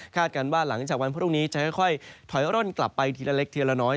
กันว่าหลังจากวันพรุ่งนี้จะค่อยถอยร่นกลับไปทีละเล็กทีละน้อย